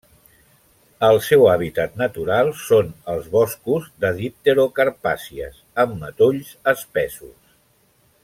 El seu hàbitat natural són els boscos de dipterocarpàcies amb matolls espessos.